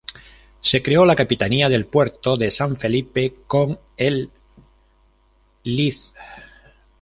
Se creó la Capitanía del Puerto de San Felipe, con el Lic.